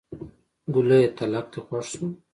ګوليه تلک دې خوښ شو.